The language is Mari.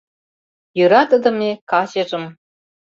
Йӧратыдыме качыжым